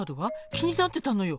気になってたのよ！